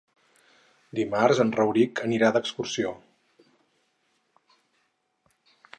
Dimarts en Rauric anirà d'excursió.